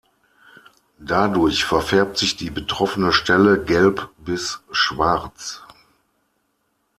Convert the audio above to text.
Dadurch verfärbt sich die betroffene Stelle gelb bis schwarz.